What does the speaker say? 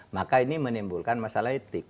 maka ini menimbulkan masalah etik